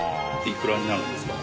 いくらになるんですか？